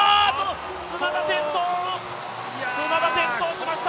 砂田、転倒しました！